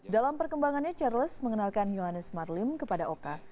dalam perkembangannya charles mengenalkan yohannes marlim kepada oka